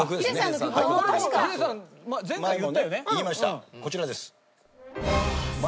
言いましたこちらです。